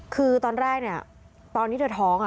คือตอนแรกเนี่ยตอนที่เธอท้อง